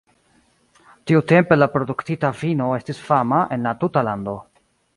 Tiutempe la produktita vino estis fama en la tuta lando.